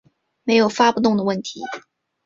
没有发不动的问题